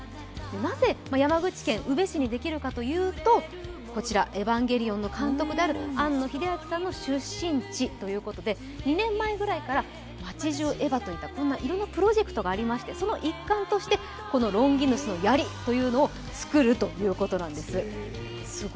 なぜ山口県宇部市にできるかというと「エヴァンゲリオン」の庵野監督の出身地ということで２年前ぐらいから「まちじゅうエヴァ」というプロジェクトがありまして、その一環として、このロンギヌスの槍というのを作るということなんです。